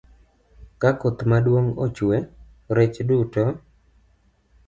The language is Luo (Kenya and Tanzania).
Ka koth maduong' ochwe, rech duto